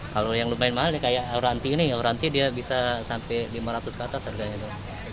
kalau yang lumayan mahal ya kayak auranti ini auranti dia bisa sampai lima ratus ke atas harganya itu